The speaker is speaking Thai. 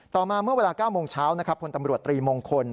ต่อมาเมื่อเวลา๙โมงเช้าคนตำรวจ๓โมงคน